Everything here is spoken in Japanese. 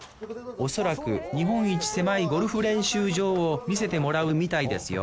おそらく日本一狭いゴルフ練習場を見せてもらうみたいですよ